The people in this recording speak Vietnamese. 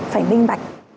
phải minh bạch